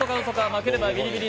負ければビリビリ！